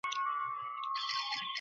তারা দুটি প্রধান ভাগে বিভক্ত ছিল।